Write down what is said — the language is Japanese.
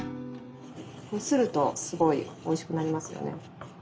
擦るとすごいおいしくなりますよね。